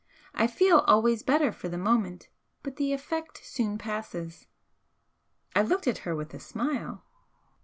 I feel always better for the moment but the effect soon passes." I looked at her with a smile.